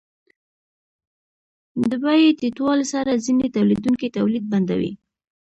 د بیې ټیټوالي سره ځینې تولیدونکي تولید بندوي